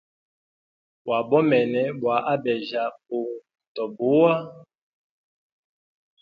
Wabomene bwa abeja mbungu to buwa.